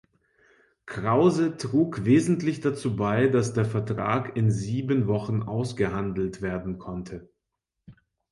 Krause trug wesentlich dazu bei, dass der Vertrag in sieben Wochen ausgehandelt werden konnte.